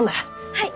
はい。